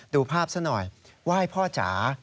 ดูภาพซะหน่อยไหว้พ่อจ๋า